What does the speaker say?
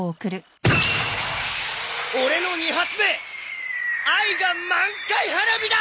オレの２発目『愛が満開花火』だ！